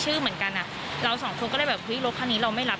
เหมือนกันอ่ะเราสองคนก็เลยแบบเฮ้ยรถคันนี้เราไม่รับ